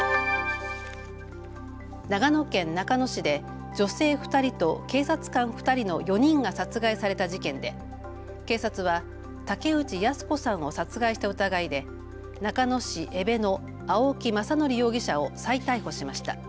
長野県中野市で女性２人と警察官２人の４人が殺害された事件で、警察は竹内靖子さんを殺害した疑いで中野市江部の青木政憲容疑者を再逮捕しました。